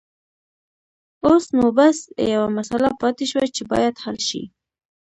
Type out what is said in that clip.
اوس نو بس يوه مسله پاتې شوه چې بايد حل شي.